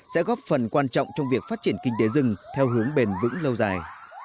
sẽ góp phần quan trọng trong việc phát triển kinh tế rừng theo hướng bền vững lâu dài